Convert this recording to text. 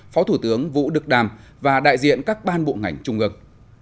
phó thủ tướng vũ đức đàm và đại diện các ban bộ ngành trung ương